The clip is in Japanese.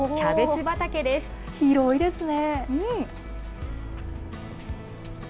広いですね。